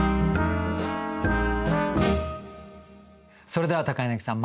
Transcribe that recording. それでは柳さん